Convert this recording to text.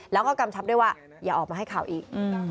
แล้วก็กำชับด้วยว่าอย่าออกมาให้ข่าวอีก